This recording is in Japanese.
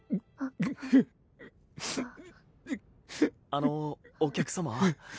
あのお客様。